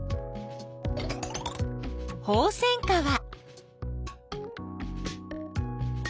ホウセンカは。